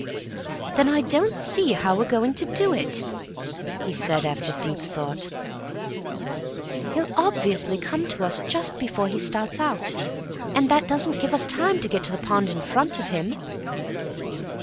"Then I don't see how we're going to do it," he said, after deep thought. "He'll obviously come to us just before he starts out, and that doesn't give us time to get to the pond in front of him."